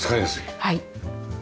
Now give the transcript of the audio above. はい。